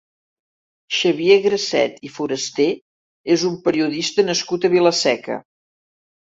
Xavier Graset i Forasté és un periodista nascut a Vila-seca.